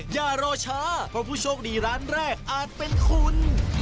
อย่ารอช้าเพราะผู้โชคดีร้านแรกอาจเป็นคุณ